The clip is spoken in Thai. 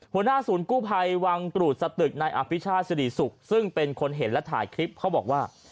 หัวหน้าศูนย์กู้ภัยวังกรูดสตึกนายอภิชาติสิริสุขซึ่งเป็นคนเห็นและถ่ายคลิปเขาบอกว่า